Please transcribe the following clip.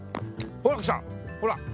ほら。